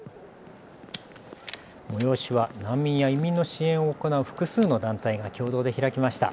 催しは難民や移民の支援を行う複数の団体が共同で開きました。